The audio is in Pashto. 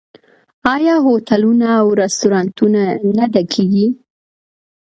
آیا هوټلونه او رستورانتونه نه ډکیږي؟